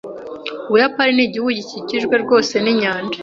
Ubuyapani nigihugu gikikijwe rwose ninyanja.